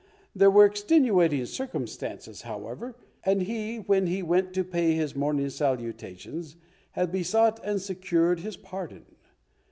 There were extenuating circumstances, however, and he, when he went to pay his morning salutations, had besought and secured his pardon.